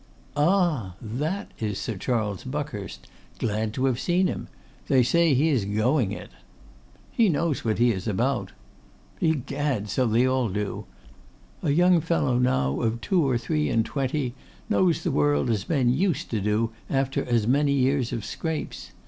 'A h! That is Sir Charles Buckhurst. Glad to have seen him. They say he is going it.' 'He knows what he is about.' 'Egad! so they all do. A young fellow now of two or three and twenty knows the world as men used to do after as many years of scrapes.